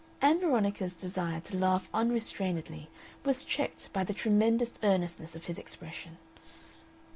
Ann Veronica's desire to laugh unrestrainedly was checked by the tremendous earnestness of his expression.